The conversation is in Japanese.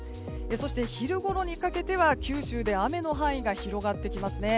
そして昼ごろにかけては九州で雨の範囲が広がってきますね。